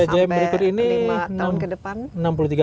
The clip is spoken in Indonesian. jembatan berikut ini